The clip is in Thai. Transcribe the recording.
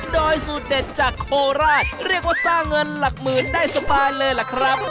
โดยสูตรเด็ดจากโคราชเรียกว่าสร้างเงินหลักหมื่นได้สบายเลยล่ะครับ